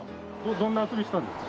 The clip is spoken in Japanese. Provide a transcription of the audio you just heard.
どんな遊びしたんですか？